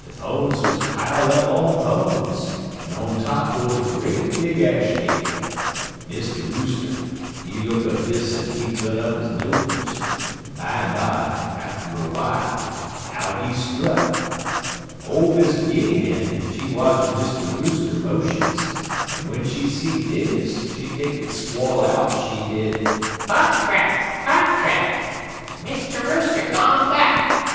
De pones was pile up on pones, en on de top wuz a great big ash cake. Mr. Rooster, he look at dis en he tu'n up he nose, en bimeby, atter aw'ile, out he strut. Ole Miss Guinny Hen, she watchin' Mr. Rooster motions, en w'en she see dis, she take'n squall out, she did: "'Pot rack! Pot rack! Mr. Rooster gone back!